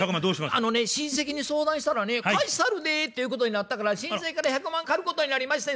あのね親戚に相談したらね貸したるでっていうことになったから親戚から１００万借ることになりましてん。